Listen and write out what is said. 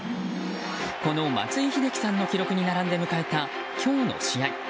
この松井秀喜さんの記録に並んで迎えた今日の試合。